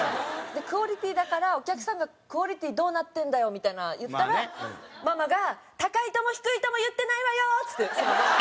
クオリティだからお客さんが「クオリティどうなってんだよ」みたいな言ったらママが「高いとも低いとも言ってないわよ」っつって。